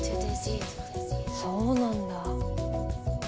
そうなんだ。